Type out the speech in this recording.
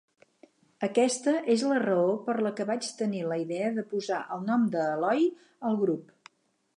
Aquesta és la raó per la que vaig tenir la idea de posar el nom de "Eloy" al grup.